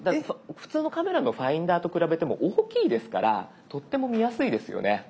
普通のカメラのファインダーと比べても大きいですからとっても見やすいですよね。